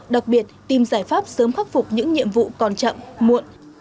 đặc biệt tìm giải pháp sớm khắc phục những nhiệm vụ còn chậm muộn